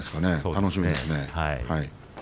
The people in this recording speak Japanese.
楽しみですね。